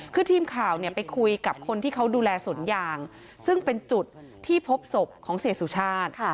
คือทีมข่าวไปคุยกับคนที่เขาดูแลสวนยางซึ่งเป็นจุดที่พบศพของเสียสุชาติ